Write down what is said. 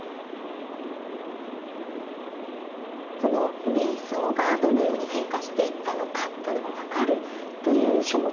その瞑想がどのように変化していったのかというのが分かるという書物がこちらですね。